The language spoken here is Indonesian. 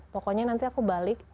pokoknya nanti aku balik